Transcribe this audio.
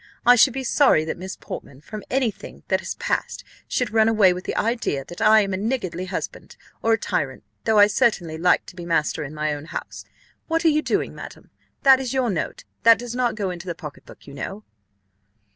I should be sorry that Miss Portman, from any thing that has passed, should run away with the idea that I am a niggardly husband, or a tyrant, though I certainly like to be master in my own house. What are you doing, madam? that is your note, that does not go into the pocket book, you know."